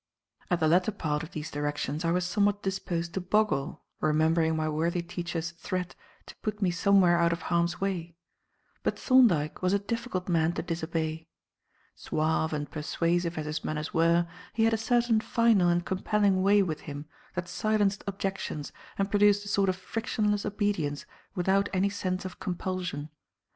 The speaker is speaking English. At the latter part of these directions I was somewhat disposed to boggle, remembering my worthy teacher's threat to put me somewhere out of harm's way. But Thorndyke was a difficult man to disobey. Suave and persuasive as his manners were, he had a certain final and compelling way with him that silenced objections and produced a sort of frictionless obedience without any sense of compulsion.